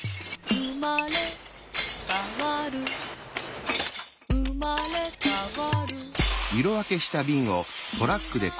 「うまれかわるうまれかわる」